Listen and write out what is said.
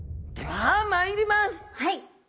はい。